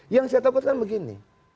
yang saya takutkan begini